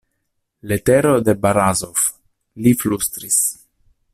Letero de Barazof, li flustris.